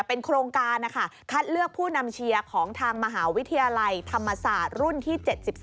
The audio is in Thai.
เป็นโครงการนะคะคัดเลือกผู้นำเชียร์ของทางมหาวิทยาลัยธรรมศาสตร์รุ่นที่๗๓